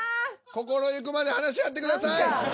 心ゆくまで話し合ってください。